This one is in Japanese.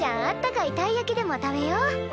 あったかいたい焼きでも食べよう。